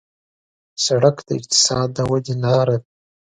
سړک د اقتصاد د ودې لاره ده.